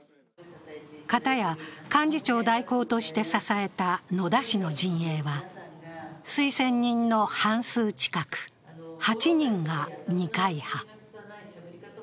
片や幹事長代行として支えた野田氏の陣営は推薦人の半数近く、８人が二階派。